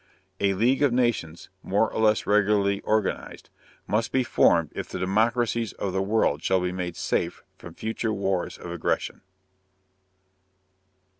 A League of Nations, more or less regularly organized, must be formed if the democracies of the world shall be made safe from future wars of aggression.